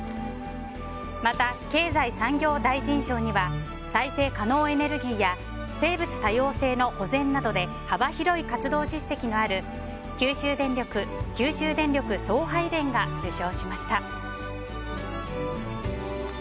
また、経済産業大臣賞には再生可能エネルギーや生物多様性の保全などで幅広い活動実績のある九州電力・九州電力送配電が受賞しました。